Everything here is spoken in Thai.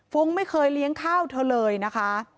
ไม่เคยเลี้ยงข้าวเธอเลยนะคะ